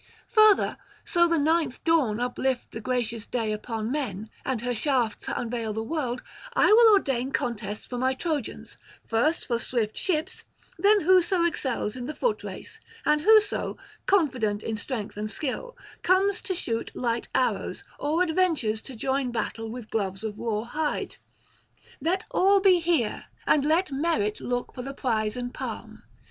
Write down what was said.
Further, so the ninth Dawn uplift the gracious day upon men, and her shafts unveil the world, I will ordain contests for my Trojans; first for swift ships; then whoso excels in the foot race, and whoso, confident in strength and skill, comes to shoot light arrows, or adventures to join battle with gloves of raw hide; let all be here, and let merit look for the prize and palm.